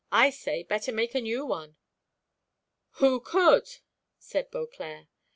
I say, better make a new one." "WHO COULD?" said Beauclerc.